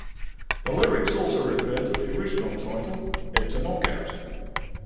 The lyrics also refer to the original title: "It's A Knockout".